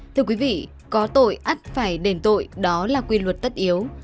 thưa quý vị có tội át phải đền tội đó là quy luật tất yếu